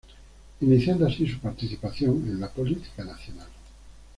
Iniciando así su participación en la política nacional.